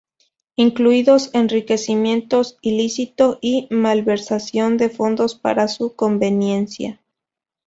Incluidos enriquecimiento ilícito y malversación de fondos para su conveniencia.